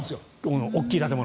この大きい建物。